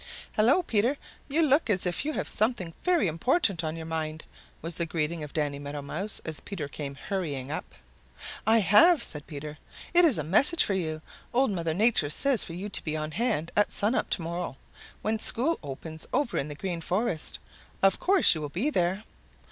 "Hello, Peter! You look as if you have something very important on your mind," was the greeting of Danny Meadow Mouse as Peter came hurrying up. "I have," said Peter. "It is a message for you. Old Mother Nature says for you to be on hand at sun up to morrow when school opens over in the Green Forest. Of course you will be there."